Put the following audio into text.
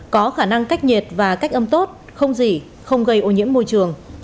có khả năng cách nhiệt và cách âm tốt không gì không gây ô nhiễm môi trường